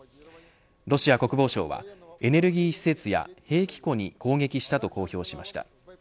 ロシア国防省はエネルギー施設や兵器庫に攻撃したと公表しました。